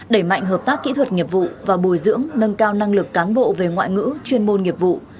đẩy mạnh hợp tác kỹ thuật nghiệp vụ và bồi dưỡng nâng cao năng lực cán bộ về ngoại ngữ chuyên môn nghiệp vụ